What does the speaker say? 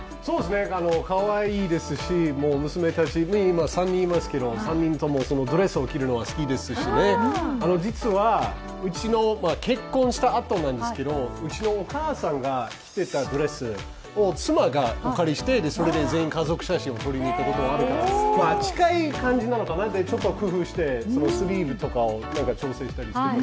かわいいですし、娘たち今、３人いますけど、３人ともドレスを着るのは好きですし、実は、結婚したあとなんですけどうちのお母さんが着ていたドレスを妻がお借りして、それで全員、家族写真を撮りにいったことがあるから近い感じなのかなちょっと工夫してスリーブとかを調整したりして。